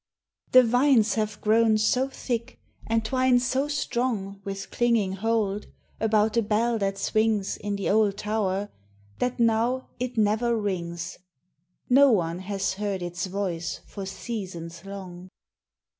THE vines have grown so thick and twined so strong, With clinging hold, about the bell that swings In the old tower, that now it never rings. No one has heard its voice for seasons long.